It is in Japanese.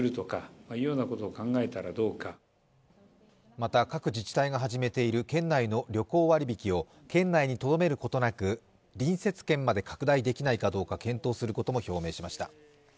また各自治体が始めている県内の旅行割り引きを県内にとどめることなく隣接県まで拡大できないかどうか検討することも表明しました。